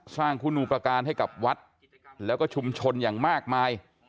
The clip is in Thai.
สร้างคุณูประการให้กับวัดแล้วก็ชุมชนอย่างมากมาย